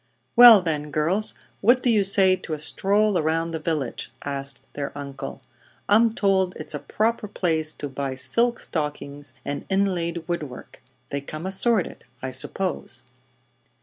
"Well then, girls, what do you say to a stroll around the village?" asked their uncle. "I'm told it's a proper place to buy silk stockings and inlaid wood work. They come assorted, I suppose."